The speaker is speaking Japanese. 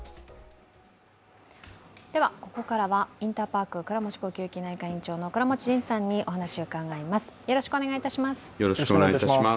では、ここからはインターパーク倉持呼吸器内科院長の倉持仁さんにお話を伺います。